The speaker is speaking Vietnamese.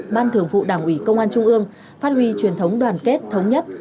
ban thường vụ đảng ủy công an trung ương phát huy truyền thống đoàn kết thống nhất